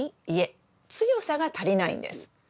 いえ強さが足りないんです。